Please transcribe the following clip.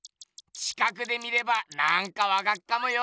近くで見ればなんかわかっかもよ！